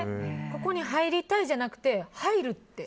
ここに入りたいじゃなくて入るって？